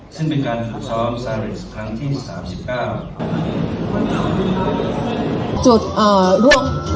ซึ่งเป็นการผู้ซ้อมสาริสครั้งที่๓๙